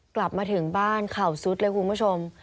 กลับมาถึงบ้านเข่าซุดเลยคุณผู้ชม